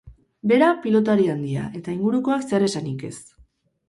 Bera pilotari handia eta ingurukoak zer esanik ez.